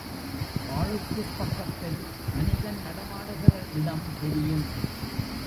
பாழுக்குப் பக்கத்தில் மனிதன் நடமாடுகிற இடம் தெரியும்.